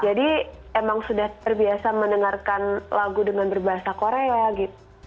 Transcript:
jadi emang sudah terbiasa mendengarkan lagu dengan berbahasa korea gitu